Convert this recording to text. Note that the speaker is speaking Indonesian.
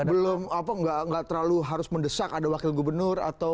belum apa nggak terlalu harus mendesak ada wakil gubernur